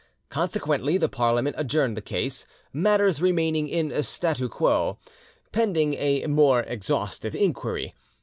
Consequently the Parliament adjourned the case, matters remaining in 'statu quo', pending a more exhaustive inquiry.